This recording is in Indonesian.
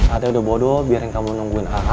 a'a udah bodo biarin kamu nungguin a'a